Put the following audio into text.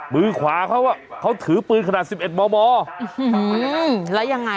มือขวาเขาอ่ะเขาถือปืนขนาดสิบเอ็ดบอบบอบอื้อหือแล้วยังไง